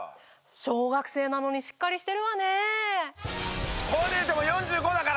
小学生なのにしっかりしてるわね。